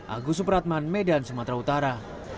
agus supratman medan sumatera utara